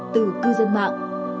từ cư dân mạng